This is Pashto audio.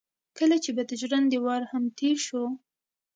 کله چې به د ژرندې وار هم تېر شو.